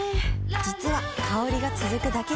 実は香りが続くだけじゃない